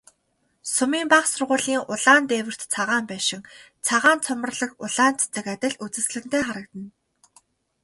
Сумын бага сургуулийн улаан дээвэрт цагаан байшин, цагаан цоморлог улаан цэцэг адил үзэсгэлэнтэй харагдана.